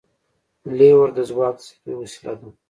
لیور د ځواک د زیاتېدو وسیله ده.